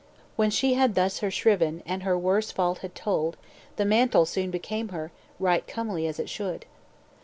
"When she had thus her shriven, And her worst fault had told, The mantle soon became her, Right comely as it should.